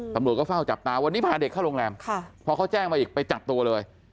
ตำรวจก็เฝ้าจับตาวันนี้พาเด็กเข้าโรงแรมพอเขาแจ้งมาอีกไปจับตัวเลย